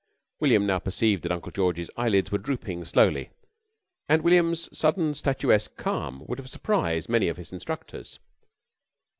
William now perceived that Uncle George's eyelids were drooping slowly and William's sudden statuesque calm would have surprised many of his instructors.